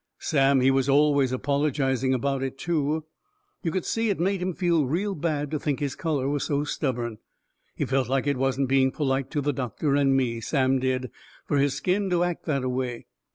Sam, he was always apologizing about it, too. You could see it made him feel real bad to think his colour was so stubborn. He felt like it wasn't being polite to the doctor and me, Sam did, fur his skin to act that a way.